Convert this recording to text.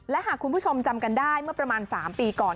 และหากคุณผู้ชมจำกันได้เมื่อประมาณ๓ปีก่อน